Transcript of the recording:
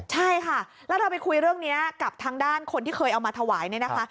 ใช่ค่ะแล้วเราไปคุยเรื่องนี้กับทางด้านคนที่เคยเอามาถวายเนี่ยนะคะ